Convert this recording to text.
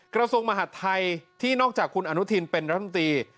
กระทรวงมหาดไทยที่นอกจากคุณอนุทินเป็นรัฐมนตรี